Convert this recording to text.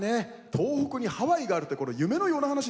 東北にハワイがあるってこの夢のような話ですからね。